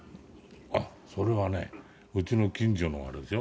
あっそれはねうちの近所のあれでしょ？